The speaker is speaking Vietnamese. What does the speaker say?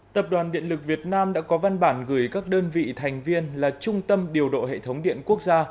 tập đoàn điện lực việt nam đã có văn bản gửi các đơn vị thành viên là trung tâm điều độ hệ thống điện quốc gia